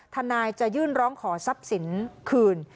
ทนายจะยื่นร้องขอทรัพย์สินคืน